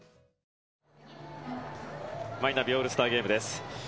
マイナビオールスターゲームです。